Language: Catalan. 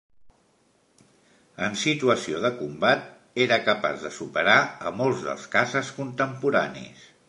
En situació de combat, era capaç de superar a molts dels caces contemporanis.